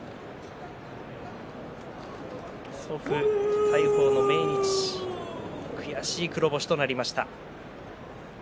祖父大鵬の命日、悔しい黒星となりました。